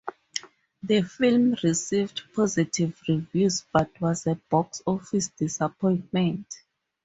The film received positive reviews, but was a box office disappointment.